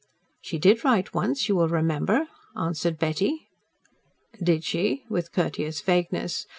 "She did write once, you will remember," answered Betty. "Did she?" with courteous vagueness.